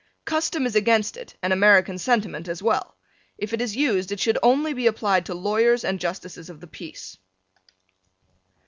Custom is against it and American sentiment as well. If it is used it should be only applied to lawyers and justices of the peace.